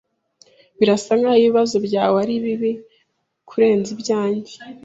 Birasa nkaho ibibazo byawe ari bibi kurenza ibyanjye.